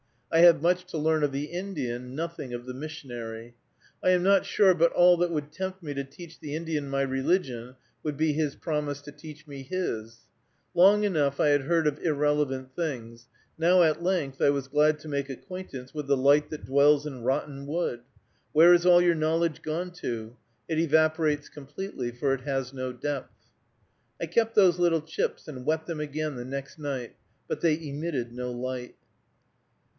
I have much to learn of the Indian, nothing of the missionary. I am not sure but all that would tempt me to teach the Indian my religion would be his promise to teach me his. Long enough I had heard of irrelevant things; now at length I was glad to make acquaintance with the light that dwells in rotten wood. Where is all your knowledge gone to? It evaporates completely, for it has no depth. I kept those little chips and wet them again the next night, but they emitted no light.